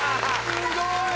すごい！